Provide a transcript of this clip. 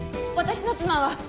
私の妻は。